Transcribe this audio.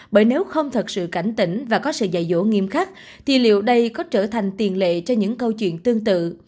bởi nếu không thật sự cảnh tỉnh và có sự dạy dỗ nghiêm khắc thì liệu đây có trở thành tiền lệ cho những câu chuyện tương tự